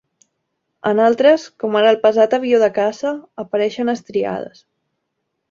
En altres, com ara el pesat avió de caça, apareixen estriades.